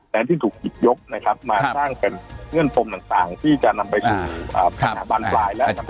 ที่ถูกหยิบยกนะครับมาสร้างเป็นเงื่อนปมต่างที่จะนำไปสู่ปัญหาบานปลายและ